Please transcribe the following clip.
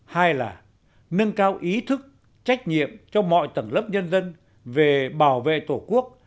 hai là nâng cao ý thức trách nhiệm cho mọi tầng lớp nhân dân về bảo vệ tổ quốc